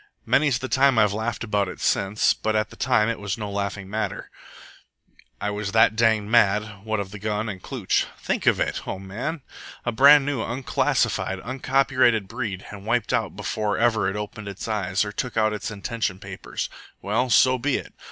Many's the time I've laughed about it since, but at the time it was no laughing matter, I was that danged mad, what of the gun and Klooch. Think of it, O man! A brand new, unclassified, uncopyrighted breed, and wiped out before ever it opened its eyes or took out its intention papers! Well, so be it.